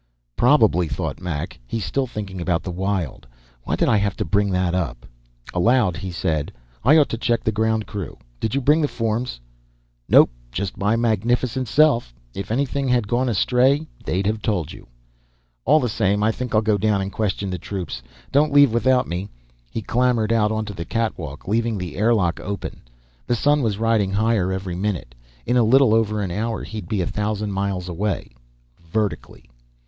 Probably, thought Mac, he's still thinking about the Wyld. Why did I have to bring that up? Aloud, he said, "I ought to check the ground crew. Did you bring the forms?" "Nope. Just my magnificent self. If anything had gone astray, they'd have told you." "All the same, I think I'll go down and question the troops. Don't leave without me." He clambered out onto the catwalk, leaving the air lock open. The sun was riding higher every minute. In a little over an hour, he'd be a thousand miles away vertically.